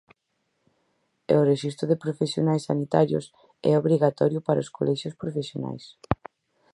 E o rexistro de profesionais sanitarios é obrigatorio para os colexios profesionais.